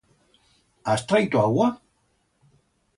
Has traito augua?